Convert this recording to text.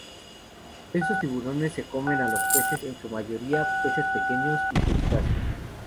Estos tiburones se comen a los peces en su mayoría peces pequeños y crustáceos.